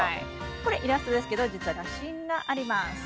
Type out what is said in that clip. これイラストですけど実は写真があります。